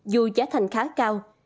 dù giá thành khá cao